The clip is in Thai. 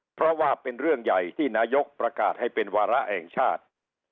เพราะว่าเป็นเรื่องใหญ่ที่นายกประกาศให้เป็นวาระแห่งชาติ